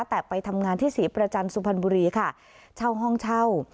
แต่ไปทำงานที่ศรีประจันทร์สุพรรณบุรีค่ะเช่าห้องเช่า